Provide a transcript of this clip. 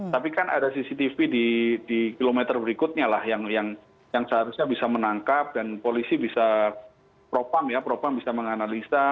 tapi kan ada cctv di kilometer berikutnya lah yang seharusnya bisa menangkap dan polisi bisa propam ya propam bisa menganalisa